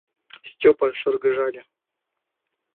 — Стёпа шыргыжале.